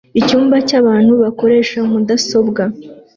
Icyumba cyabantu bakoresha mudasobwa